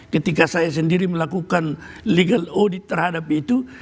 ketika saya sendiri melakukan legal audit terhadap itu